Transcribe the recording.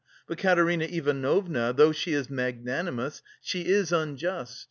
But Katerina Ivanovna, though she is magnanimous, she is unjust....